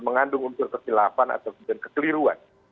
mengandung unsur kekeliruan